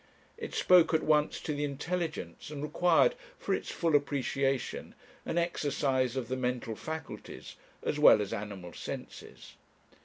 It spoke at once to the intelligence, and required, for its full appreciation, an exercise of the mental faculties, as well as animal senses.